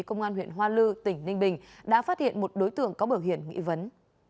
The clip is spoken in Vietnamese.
công an huyện hoa lư tỉnh ninh bình đã phát hiện một đối tượng có biểu hiện nghi vấn